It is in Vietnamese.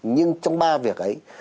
nhưng trong ba việc ấy